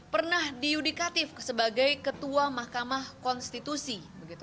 pernah diudikatif sebagai ketua mahkamah konstitusi